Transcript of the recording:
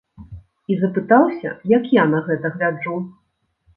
І запытаўся, як я на гэта гляджу.